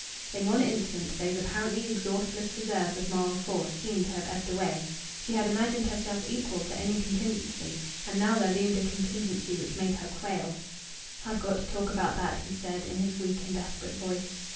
In one instant those apparently exhaustless reserves of moral force seemed to have ebbed away. She had imagined herself equal to any contingency, and now there loomed a contingency which made her quail. "I've got to talk about that," he said in his weak and desperate voice.